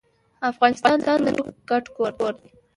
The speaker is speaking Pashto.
افغانستان د ټولو ګډ کور دي.